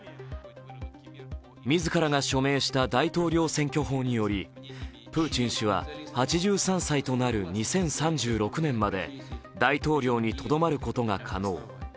自らが署名した大統領選挙法によりプーチン氏は８３歳となる２０３６年まで大統領にとどまることが可能。